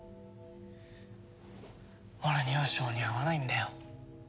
俺には性に合わないんだよ。